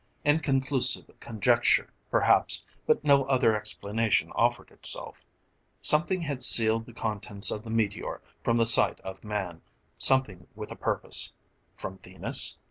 Inconclusive conjecture, perhaps, but no other explanation offered itself. Something had sealed the contents of the meteor from the sight of man, something with a purpose. From Venus?